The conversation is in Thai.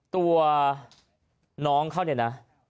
ตัวน้องเขาเนี่ยนะ